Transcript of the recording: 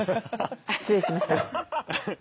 失礼しました。